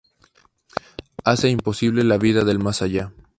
Hace imposible la vida del más allá.